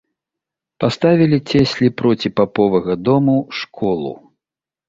Паставілі цеслі проці паповага дому школу.